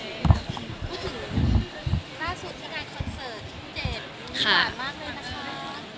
พูดถึงค่าสุดที่งานคอนเสิร์ตช่องเจ็ดชาวหวานมากเลยนะคะ